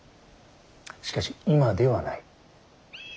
しかし今ではない。